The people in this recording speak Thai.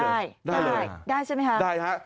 ได้เลยครับได้ใช่ไหมคะได้ครับ